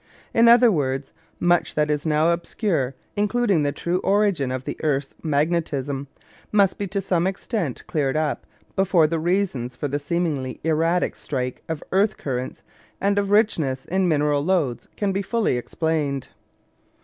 In other words, much that is now obscure, including the true origin of the earth's magnetism, must be to some extent cleared up before the reasons for the seemingly erratic strike of earth currents and of richness in mineral lodes can be fully explained.